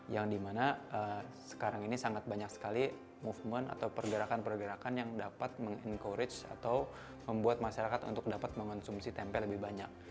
yang dimana sekarang ini sangat banyak sekali movement atau pergerakan pergerakan yang dapat meng encourage atau membuat masyarakat untuk dapat mengonsumsi tempe lebih banyak